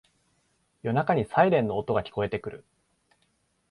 夜中にサイレンの音が聞こえてくる